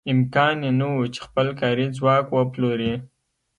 امکان یې نه و چې خپل کاري ځواک وپلوري.